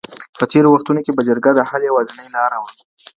په تېرو وختونو کي به جرګه د حل یوازینۍ لاره وه.